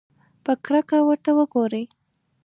په کرکه ورته وګوري.